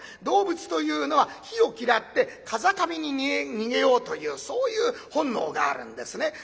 動物というのは火を嫌って風上に逃げようというそういう本能があるんですね。